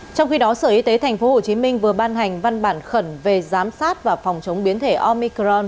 trong khi đó sở y tế tp hcm vừa ban hành văn bản khẩn về giám sát và phòng chống biến thể omicron